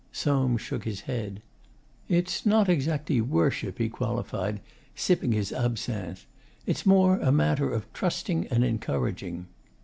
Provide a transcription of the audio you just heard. Soames shook his head. 'It's not exactly worship,' he qualified, sipping his absinthe. 'It's more a matter of trusting and encouraging.